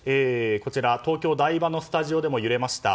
東京・台場のスタジオでも揺れました。